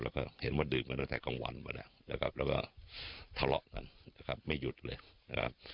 แล้วก็เห็นว่าดื่มกันตั้งแต่กลางวันมาแล้วนะครับแล้วก็ทะเลาะกันนะครับไม่หยุดเลยนะครับ